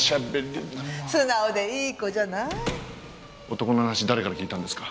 男の話誰から聞いたんですか？